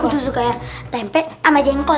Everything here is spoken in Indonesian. aku tuh suka yang tempe sama jengkol